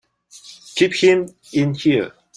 Keep him in here!